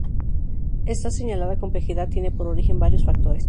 Esa señalada complejidad tiene por origen varios factores.